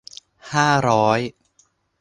ห้าร้อย